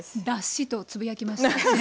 「脱脂」とつぶやきましたね